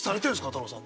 太郎さん。